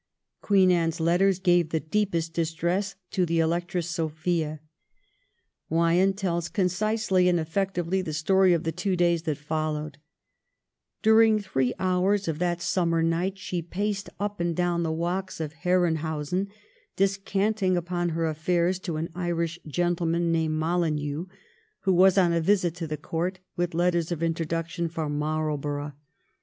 Queen Anne's letters gave the deepest distress to the Electress Sophia. Wyon tells concisely and effectively the story of the two days that followed :' During three hours of that summer night she paced up and down the walks of Herrenhausen, descant ing upon her affairs to an Irish gentleman named Molyneux, who was on a visit to the Court with letters of introduction from Marlborough.